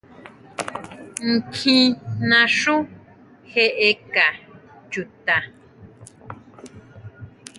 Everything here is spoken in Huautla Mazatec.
¿Nkjín naxú jeʼeka chuta?